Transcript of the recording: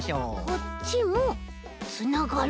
こっちもつながる。